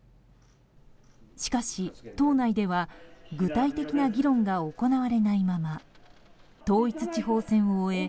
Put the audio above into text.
しかし、党内では具体的な議論が行われないまま統一地方選を終え